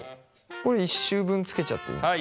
これ１周分つけちゃっていいんですか？